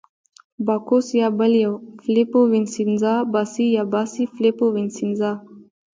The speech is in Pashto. باکوس یا بل یو، فلیپو وینسینزا، باسي یا باسي فلیپو وینسینزا.